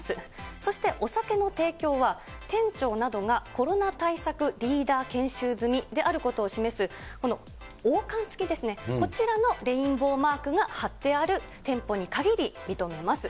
そしてお酒の提供は、店長などがコロナ対策リーダー研修済みであることを示す、この王冠付きですね、こちらのレインボーマークが貼ってある店舗に限り認めます。